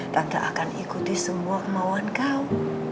tanpa akan ikuti semua kemauan kau